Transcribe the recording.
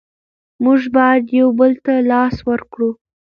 موږ بايد يو بل ته لاس ورکړو.